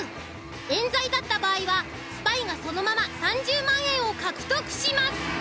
冤罪だった場合はスパイがそのまま３０万円を獲得します。